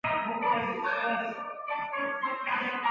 痢止蒿为唇形科筋骨草属下的一个种。